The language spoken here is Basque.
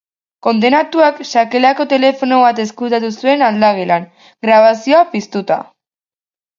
Kondenatuak sakelako telefono bat ezkutatu zuen aldagelan, grabazioa piztuta.